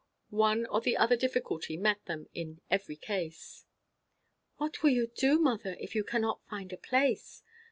One or the other difficulty met them in every case. "What will you do, mother, if you cannot find a place?"